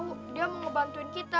nggak mau ngebantuin kita